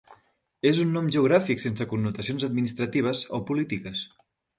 És un nom geogràfic sense connotacions administratives o polítiques.